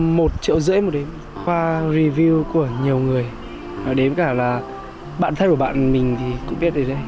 một triệu rưỡi một đếm khoa review của nhiều người đếm cả là bạn thân của bạn mình thì cũng biết rồi đấy